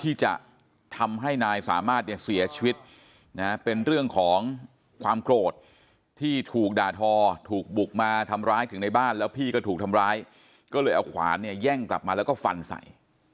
ที่จะทำให้นายสามารถเนี่ยเสียชีวิตนะเป็นเรื่องของความโกรธที่ถูกด่าทอถูกบุกมาทำร้ายถึงในบ้านแล้วพี่ก็ถูกทำร้ายก็เลยเอาขวานเนี่ยแย่งกลับมาแล้วก็ฟันใส่